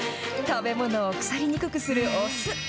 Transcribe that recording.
食べ物を腐りにくくするお酢。